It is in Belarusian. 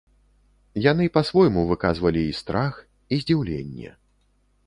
Яны па-свойму выказвалі і страх, і здзіўленне.